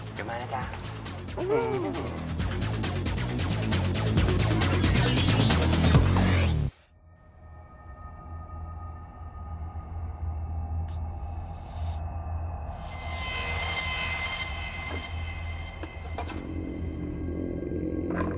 เดี๋ยวมานะจ๊ะ